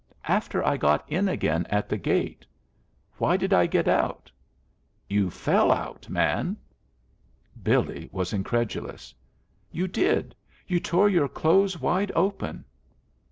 "After I got in again at the gate. Why did I get out?" "You fell out, man." Billy was incredulous. "You did. You tore your clothes wide open."